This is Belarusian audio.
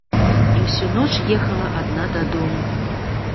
І ўсю ноч ехала адна дадому.